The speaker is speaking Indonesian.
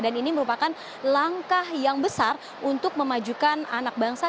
dan ini merupakan langkah yang besar untuk memajukan anak bangsa